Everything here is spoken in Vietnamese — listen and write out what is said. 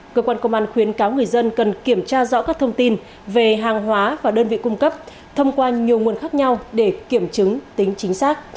cơ quan công an khuyến cáo người dân cần kiểm tra rõ các thông tin về hàng hóa và đơn vị cung cấp thông qua nhiều nguồn khác nhau để kiểm chứng tính chính xác